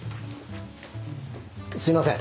すいません。